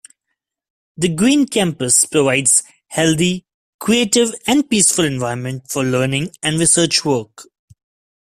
The green campus provides healthy, creative and peaceful environment for learning and research work.